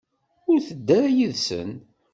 Ur tedda ara yid-sen.